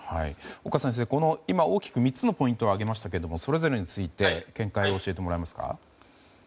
岡先生、今大きく３つのポイントを挙げましたがそれぞれについて見解を教えてくれますか。